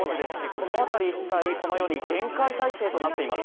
この辺り一帯、このように厳戒態勢となっています。